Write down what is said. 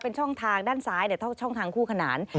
เป็นช่องทางด้านซ้ายช่องทางคู่ขนาน